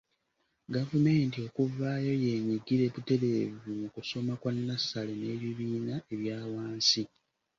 Gavumenti okuvaayo yeenyigire butereevu mu kusoma kwa nnassale n’ebibiina ebya wansi.